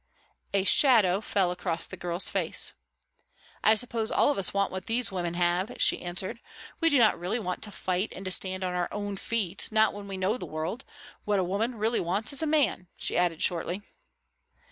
A shadow fell across the girl's face. "I suppose all of us want what these women have," she answered. "We do not really want to fight and to stand on our own feet, not when we know the world. What a woman really wants is a man," she added shortly.